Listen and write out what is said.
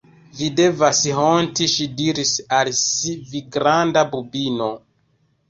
"Vi devas honti," ŝi diris al si, "vi granda bubino!"